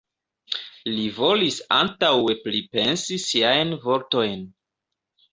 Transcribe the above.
Li volis antaŭe pripensi siajn vortojn.